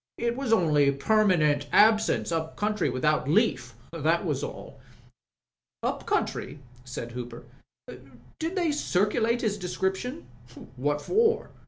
"It was only permanent absence up country without leaf. That was all." "Up country?" said Hooper. "Did they circulate his description?" " What for